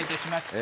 え